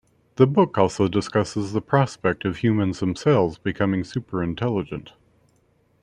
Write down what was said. The book also discusses the prospect of humans themselves becoming super-intelligent.